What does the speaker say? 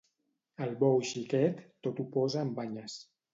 El bou xiquet tot ho posa en banyes.